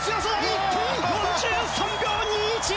１分４３秒２１！